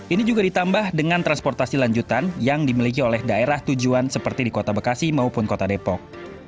ini juga ditambah dengan transportasi lanjutan yang dimiliki oleh daerah tujuan seperti di kota bekasi maupun kota depok